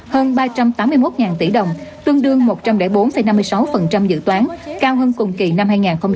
hơn ba trăm tám mươi một tỷ đồng tương đương một trăm linh bốn năm mươi sáu dự toán cao hơn cùng kỳ năm hai nghìn một mươi tám